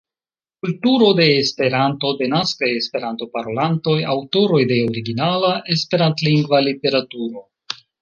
Kulturo de Esperanto, Denaskaj Esperanto-parolantoj, Aŭtoroj de originala Esperantlingva literaturo.